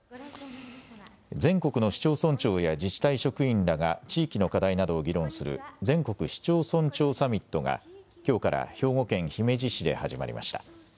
全国の市町村長や自治体職員らが地域の課題などを議論する全国市町村長サミットがきょうから兵庫県姫路市で始まりました。